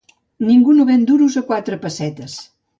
Ningú no ven duros a quatre pessetes.